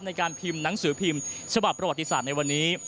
ในการพิมพ์หนังสือพิมพ์ฉบับประวัติศาสตร์ในวันนี้